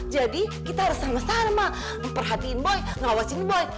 jadi kita harus sama sama memperhatiin boy ngawasin boy